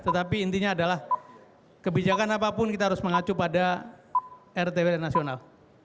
tetapi intinya adalah kebijakan apapun kita harus mengacu pada rtw dan nasional